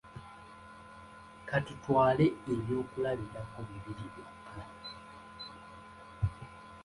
Ka tutwale ebyokulabirako bibiri byokka.